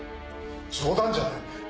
冗談じゃない。